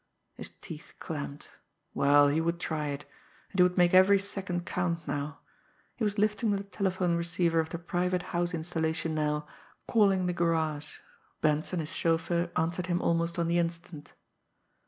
His teeth clamped. Well, he would try it; and he would make every second count now! He was lifting the telephone receiver of the private house installation now, calling the garage. Benson, his chauffeur, answered him almost on the instant.